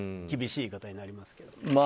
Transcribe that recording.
厳しい言い方になりますけど。